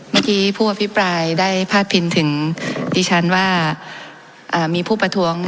เมื่อกี้ผู้อธิบายได้พาร์ทพินถึงที่ฉันว่าอ่ามีผู้ประท้วง